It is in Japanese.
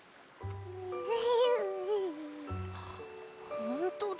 ほんとだ。